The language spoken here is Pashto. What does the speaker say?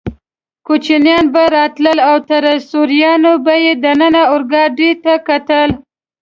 کوچنیان به راتلل او تر سوریانو به یې دننه اورګاډي ته کتل.